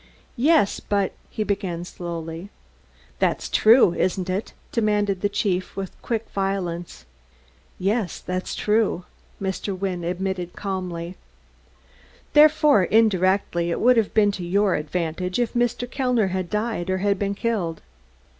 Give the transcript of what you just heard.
"Yes, but " he began slowly. "That's true, isn't it?" demanded the chief, with quick violence. "Yes, that's true," Mr. Wynne admitted calmly. "Therefore, indirectly, it would have been to your advantage if Mr. Kellner had died or had been killed?"